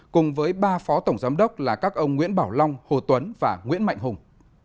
cùng với ba phó tổng giám đốc là các ông nguyễn bảo long hồ tuấn và nguyễn mạnh hùng